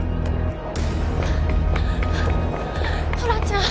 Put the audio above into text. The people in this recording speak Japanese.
トラちゃん！